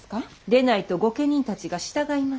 でないと御家人たちが従いません。